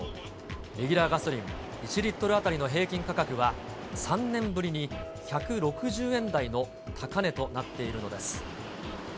レギュラーガソリン１リットル当たりの平均価格は、３年ぶりに１６０円台の高値となっているのです。